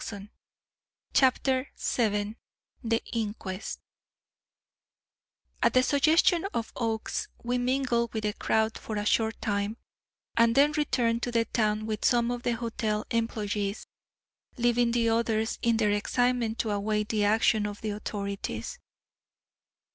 _" CHAPTER VII The Inquest At the suggestion of Oakes, we mingled with the crowd for a short time and then returned to the town with some of the hotel employees, leaving the others in their excitement to await the action of the authorities.